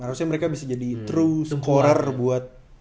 harusnya mereka bisa jadi true scorer buat